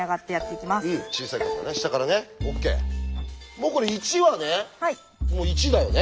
もうこれ１はね１だよね。